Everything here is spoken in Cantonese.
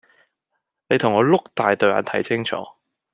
你同我碌大對眼睇清楚